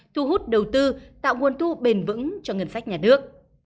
thu hút đầu tư tạo nguồn thu bền vững cho ngân sách nhà nước